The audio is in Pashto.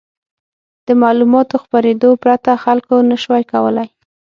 د معلوماتو خپرېدو پرته خلکو نه شوای کولای.